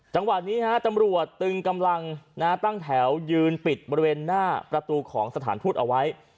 จังหวะนี้ฮะตำรวจตึงกำลังตั้งแถวยืนปิดบริเวณหน้าประตูของสถานทูตเอาไว้